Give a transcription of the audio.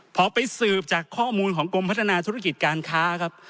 พอไปสืบจากข้อมูลของกรมพัฒนาธุรกิจการค้าครับ